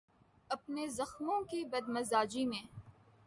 اپنے زخموں کی بد مزاجی میں